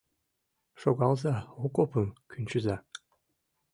— Шогалза, окопым кӱнчыза.